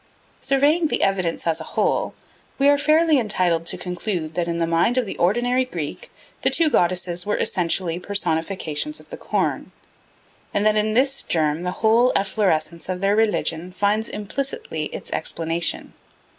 Surveying the evidence as a whole, we are fairly entitled to conclude that in the mind of the ordinary Greek the two goddesses were essentially personifications of the corn, and that in this germ the whole efflorescence of their religion finds implicitly its explanation.